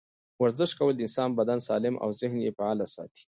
ورزش کول د انسان بدن سالم او ذهن یې فعاله ساتي.